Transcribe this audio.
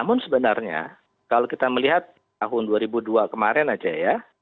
namun sebenarnya kalau kita melihat tahun dua ribu dua kemarin aja ya